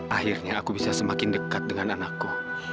akhirnya aku bisa semakin dekat dengan anakku